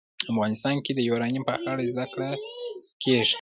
افغانستان کې د یورانیم په اړه زده کړه کېږي.